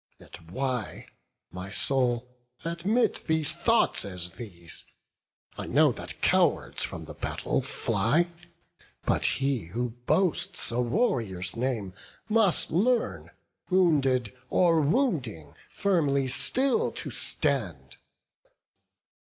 Yet why, my soul, admit such thoughts as these? I know that cowards from the battle fly; But he who boasts a warrior's name, must learn, Wounded or wounding, firmly still to stand."